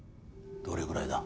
どれぐらいだ？